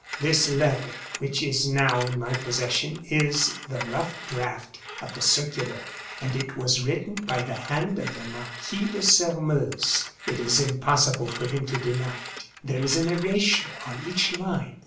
This letter, which is now in my possession, is the rough draft of the circular; and it was written by the hand of the Marquis de Sairmeuse. It is impossible for him to deny it. There is an erasure on each line.